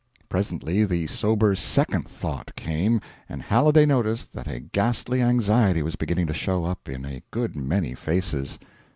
Presently the sober second thought came, and Halliday noticed that a ghastly anxiety was beginning to show up in a good many faces.